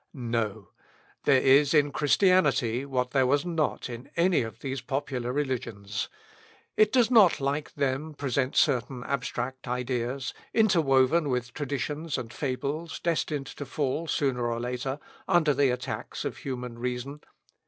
No! There is in Christianity what there was not in any of those popular religions. It does not, like them, present certain abstract ideas, interwoven with traditions and fables, destined to fall, sooner or later, under the attacks of human reason.